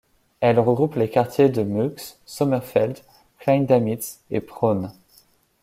Elle regroupe les quartiers de Muuks, Sommerfeld, Klein Damitz et Prohn.